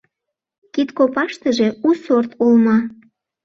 Кидкопаштыже у сорт олма